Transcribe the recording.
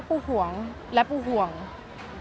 สวัสดีคุณครับสวัสดีคุณครับ